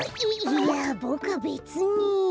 いいやボクべつに。